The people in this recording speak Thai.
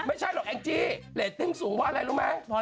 ไม่ใช่หรอกแองจี้เรตติ้งสูงเพราะอะไรรู้ไหม